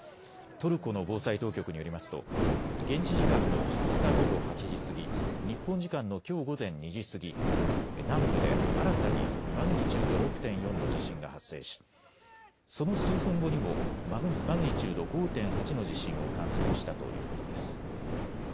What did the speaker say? トルコの防災当局によりますと現地時間の２０日午後８時過ぎ、日本時間のきょう午前２時過ぎ、南部で新たにマグニチュード６．４の地震が発生しその数分後にもマグニチュード５．８の地震を観測したということです。